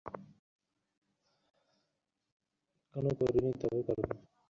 এখনো করি নি, তবে করব।